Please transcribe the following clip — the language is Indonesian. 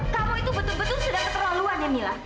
kamu itu betul betul sudah keterlaluan ya mila